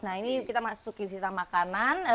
nah ini kita masukin sisa makanan